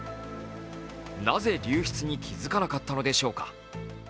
なぜ流出に気づかなかったのでしょうか。